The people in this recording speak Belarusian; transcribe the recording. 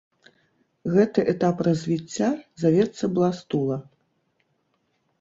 Гэты этап развіцця завецца бластула.